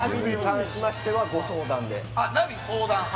ナビに関しましてはご相談で。